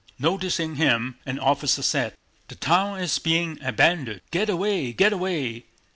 Noticing him, an officer said: "The town is being abandoned. Get away, get away!"